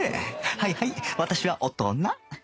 はいはい私は大人